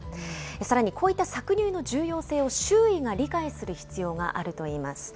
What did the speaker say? さらに、こういった搾乳の重要性を周囲が理解する必要があるといいます。